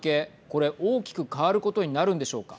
これ、大きく変わることになるんでしょうか。